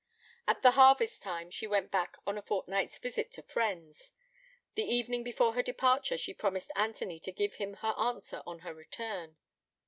At the harvest time she went back on a fortnight's visit to friends; the evening before her departure she promised Anthony to give him her answer on her return.